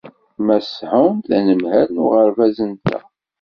Mass Hunt d anemhal n uɣebaz-nteɣ.